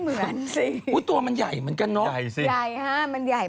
เขาบอกว่าเป็นเต่าที่มีขนาดใหญ่